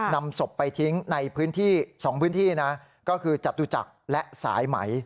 นำศพไปทิ้งในพื้นที่๒พื้นที่นะก็คือจตุจักรและสายไหม